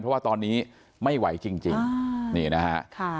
เพราะว่าตอนนี้ไม่ไหวจริงนี่นะฮะ